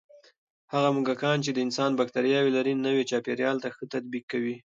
هغه موږکان چې د انسان بکتریاوې لري، نوي چاپېریال ته ښه تطابق کوي.